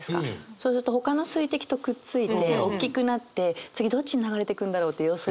そうするとほかの水滴とくっついておっきくなって次どっちに流れてくんだろうって予想して。